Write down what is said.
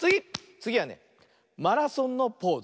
つぎはね「マラソン」のポーズ。